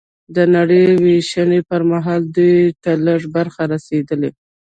د نړۍ وېشنې پر مهال دوی ته لږ برخه رسېدلې